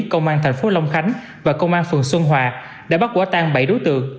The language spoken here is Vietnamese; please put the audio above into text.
công an tp long khánh và công an phường xuân hòa đã bắt quả tăng bảy đối tượng